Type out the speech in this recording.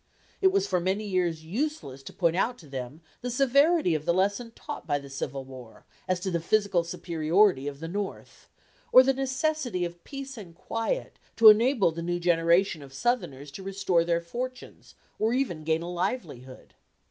It was for many years useless to point out to them the severity of the lesson taught by the Civil War as to the physical superiority of the North, or the necessity of peace and quiet to enable the new generation of Southerners to restore their fortunes, or even gain a livelihood.